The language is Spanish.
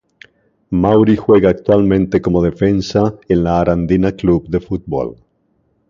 Mauri juega actualmente como defensa en la Arandina Club de Fútbol.